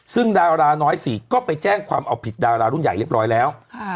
ซึ่งดาราน้อยสี่ก็ไปแจ้งความเอาผิดดารารุ่นใหญ่เรียบร้อยแล้ว